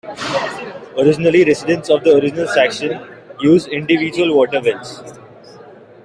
Originally residents of the original section used individual water wells.